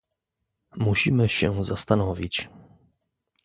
Musimy się zastanowić